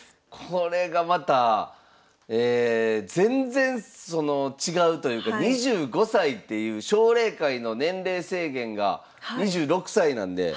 これがまた全然その違うというか２５歳っていう奨励会の年齢制限がそうなんです。